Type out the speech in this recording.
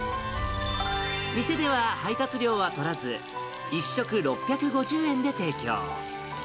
店では配達料は取らず、１食６５０円で提供。